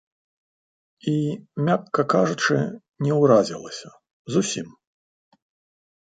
І, мякка кажучы, не ўразілася, зусім.